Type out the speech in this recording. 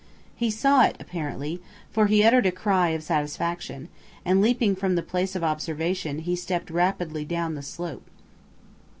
He saw it apparently, for he uttered a cry of satisfaction, and leaping from the place of observation he stepped rapidly down the slope.